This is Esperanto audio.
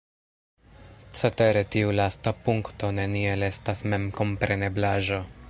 Cetere, tiu lasta punkto neniel estas memkompreneblaĵo.